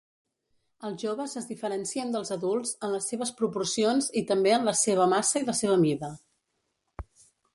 Els joves es diferencien dels adults en les seves proporcions i també en la seva massa i la seva mida.